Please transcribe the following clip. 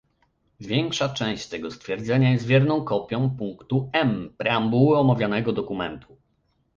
większa część tego stwierdzenia jest wierną kopią punktu M preambuły omawianego dokumentu